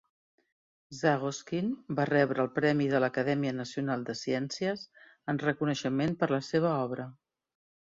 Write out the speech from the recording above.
Zagoskin va rebre el premi de l'acadèmia nacional de ciències en reconeixement per la seva obra.